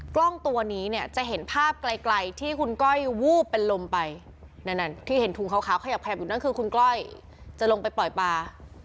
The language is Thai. กล้องตัวนี้เนี่ยจะเห็นภาพไกลที่คุณก้อยวูบเป็นลมไปนั่นที่เห็นถุงขาวขยับอยู่นั่นคือคุณก้อยจะลงไปปล่อยปลา